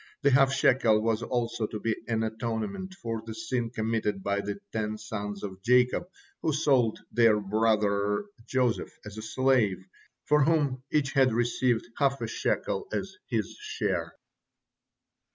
The half shekel was also to be an atonement for the sin committed by the ten sons of Jacob, who sold their brother Joseph as a slave, for whom each had received half a shekel as his share.